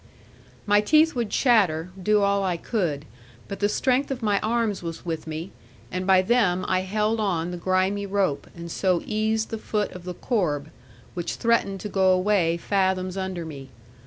My teeth would chatter, do all I could; but the strength of my arms was with me; and by them I held on the grimy rope, and so eased the foot of the corb, which threatened to go away fathoms under me.